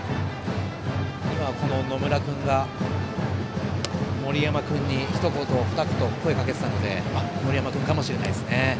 野村君が森山君にひと言、ふた言声をかけていたので森山君かもしれませんね。